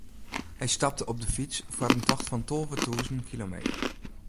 Hy stapte op de fyts foar in tocht fan tolve tûzen kilometer.